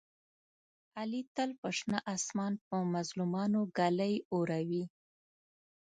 علي تل په شنه اسمان په مظلومانو ږلۍ اوروي.